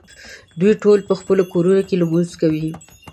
دوی ټول په خپلو کورونو کې لمونځ کوي.